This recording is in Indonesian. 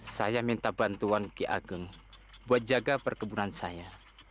saya minta bantuan ki ageng untuk menjaga perkebunan saya